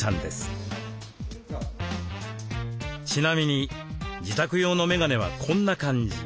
ちなみに自宅用のメガネはこんな感じ。